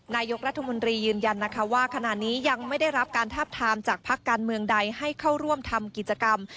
นายกรัฐมนตรียืนยันนะคะว่าขณะนี้ยังไม่ได้รับการทาบทามจากพักการเมืองใดให้เข้าร่วมทำกิจกรรม